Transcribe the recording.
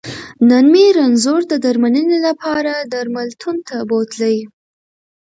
نن مې رنځور د درمنلې لپاره درملتون ته بوتلی